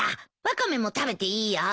ワカメも食べていいよ。